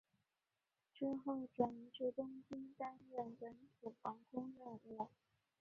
之后转移至东京担任本土防空任务。